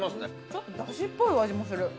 ちょっと出汁っぽい味もする。